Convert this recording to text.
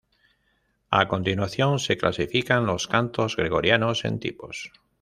A continuación se clasifican los cantos gregorianos en tipos.